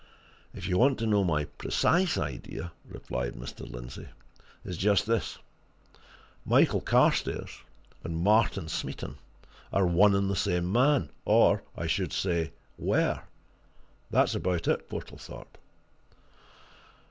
"If you want to know my precise idea," replied Mr. Lindsey, "it's just this Michael Carstairs and Martin Smeaton are one and the same man or, I should say, were! That's about it, Portlethorpe."